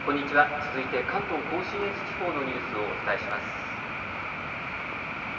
続いて関東甲信越地方のニュースをお伝えします。